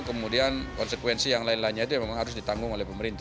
kemudian konsekuensi yang lain lainnya itu memang harus ditanggung